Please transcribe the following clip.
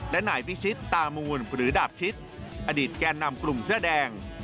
และนายพิชิตตามูนหรือดาบชิดอดีตแก่นำกลุ่มเสื้อแดง